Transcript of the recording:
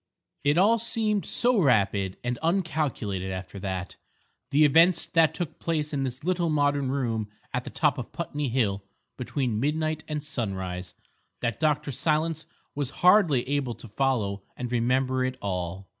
It all seemed so rapid and uncalculated after that—the events that took place in this little modern room at the top of Putney Hill between midnight and sunrise—that Dr. Silence was hardly able to follow and remember it all.